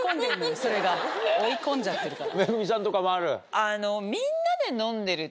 それが追い込んじゃってるから。